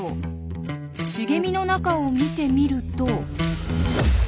茂みの中を見てみると。